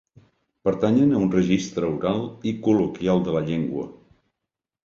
Pertanyen a un registre oral i col·loquial de la llengua.